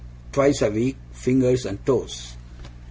Twice a week! Fingers and toes.